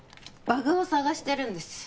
バグを探してるんです